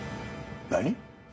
何？